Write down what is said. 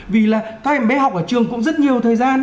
vì là các em bé học ở trường cũng rất nhiều thời gian